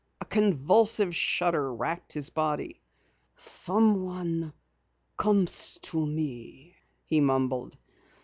A convulsive shudder wracked his body. "Someone comes to me " he mumbled.